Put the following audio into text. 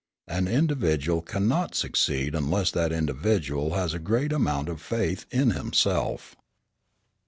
An individual cannot succeed unless that individual has a great amount of faith in himself.